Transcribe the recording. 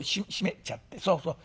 そうそう。